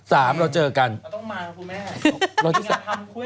จะต้องมานะครูแม่